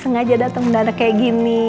sengaja dateng ke mana mana kayak gini